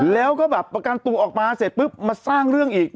แล้วก็กันตู้ออกมาเสร็จมาสร้างเรื่องอีก